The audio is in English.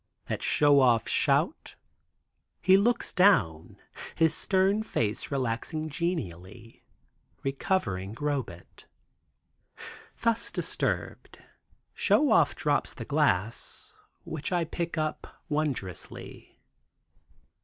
At Show Off's shout, he looks down, his stern face relaxing genially, recovering Robet. Thus disturbed, Show Off drops the glass, which I pick up, wonderingly.